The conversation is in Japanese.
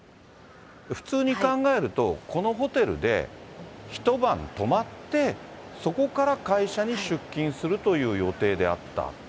普通に考えると、このホテルで一晩泊まって、そこから会社に出勤するという予定であった。